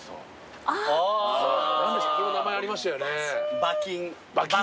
これ名前ありましたよね。